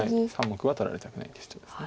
３目は取られたくないって主張です。